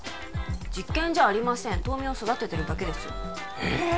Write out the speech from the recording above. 実験じゃありません豆苗育ててるだけですへ？